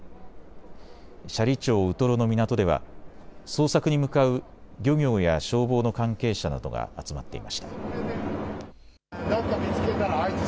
斜里町ウトロの港では捜索に向かう漁業や消防の関係者などが集まっていました。